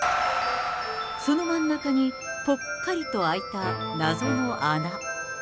その真ん中に、ぽっかりと開いた謎の穴。